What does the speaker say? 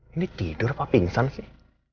ini tidur apa pingsan sih